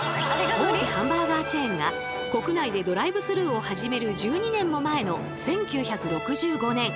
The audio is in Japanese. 大手ハンバーガーチェーンが国内でドライブスルーを始める１２年も前の１９６５年。